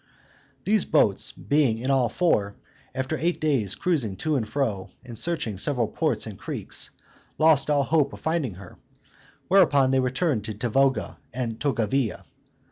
These boats, being in all four, after eight days' cruising to and fro, and searching several ports and creeks, lost all hopes of finding her, whereupon they returned to Tavoga and Tavogilla.